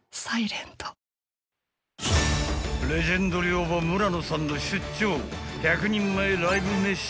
［レジェンド寮母村野さんの出張１００人前ライブ飯］